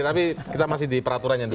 tapi kita masih di peraturannya dulu